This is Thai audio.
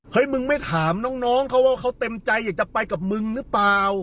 มึงไม่ถามน้องเขาว่าเขาเต็มใจอยากจะไปกับมึงหรือเปล่า